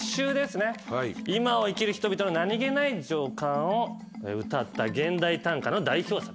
今を生きる人々の何げない情感をうたった現代短歌の代表作です。